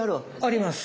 あります！